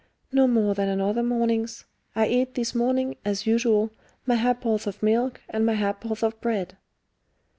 "No more than on other mornings. I ate this morning, as usual, my ha'porth of milk, and my ha'porth of bread."